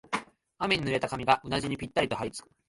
雨に濡れた髪がうなじにぴったりとはりつく